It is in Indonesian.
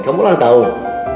kamu ulang tahun